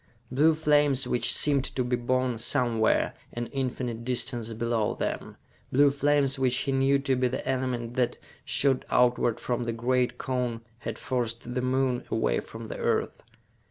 Blue flames which seemed to be born somewhere, an infinite distance below them; blue flames which he knew to be the element that, shot outward from the great cone, had forced the Moon away from the Earth.